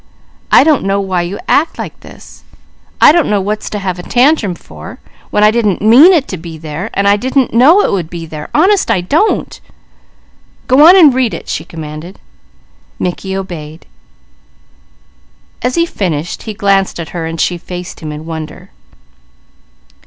I don't know why you act like this! I don't know what's to have a tantrum for, when I didn't mean it to be there, and didn't know it would be there. Honest, I don't!" "Go on an' read it!" she commanded. Mickey obeyed. As he finished she faced him in wonder.